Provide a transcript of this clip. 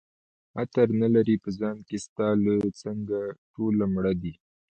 عطر نه لري په ځان کي ستا له څنګه ټوله مړه دي